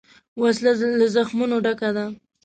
وسله له زخمونو ډکه ده